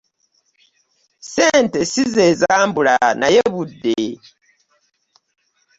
Ssente si ze zambula naye budde.